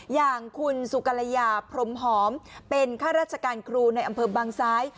อย่างคุณสุกรยาพรมหอมเป็นข้าราชการครูในอำเภอบางซ้าย